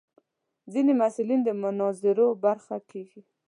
ځینې محصلین د مناظرو برخه کېږي.